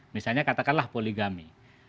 misalnya katakanlah poligami